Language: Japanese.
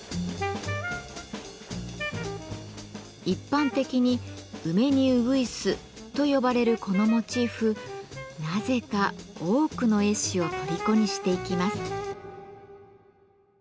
一般的に「梅にうぐいす」と呼ばれるこのモチーフなぜか多くの絵師をとりこにしていきます。